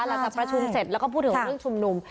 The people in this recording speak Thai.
หลังจากประชุมเสร็จแล้วก็พูดถึงเรื่องชุมนุม